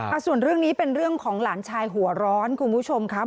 ส่วนเรื่องนี้เป็นเรื่องของหลานชายหัวร้อนคุณผู้ชมครับ